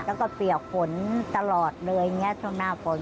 แล้วก็เปียกฝนตลอดเลยอย่างนี้ช่วงหน้าฝน